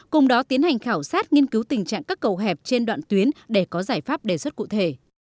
cùng đó tiến hành khảo sát nghiên cứu tình trạng các cầu hẹp trên đoạn tuyến để có giải pháp đề xuất cụ thể